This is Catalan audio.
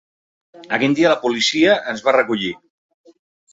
Aquell dia la policia ens va recollir.